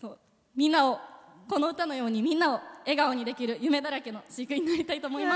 この歌のようにみんなを笑顔にできる夢だらけの飼育員になりたいと思います。